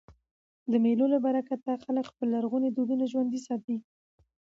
د مېلو له برکته خلک خپل لرغوني دودونه ژوندي ساتي.